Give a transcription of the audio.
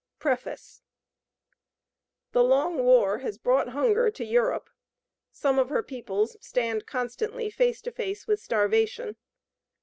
PREFACE The long war has brought hunger to Europe; some of her peoples stand constantly face to face with starvation.